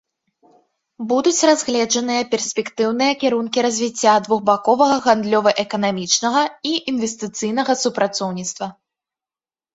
Будуць разгледжаныя перспектыўныя кірункі развіцця двухбаковага гандлёва-эканамічнага і інвестыцыйнага супрацоўніцтва.